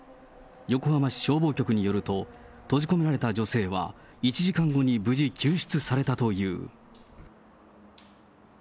横浜市消防局によると、閉じ込められた女性は１時間後に無事救出されたという。